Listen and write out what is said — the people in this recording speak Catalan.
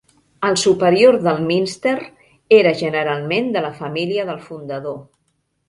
El superior del minster era generalment de la família del fundador.